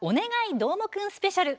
どーもくんスペシャル」